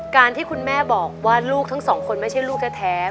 การที่คุณแม่บอกว่าลูกทั้งสองคนไม่ใช่ลูกแท้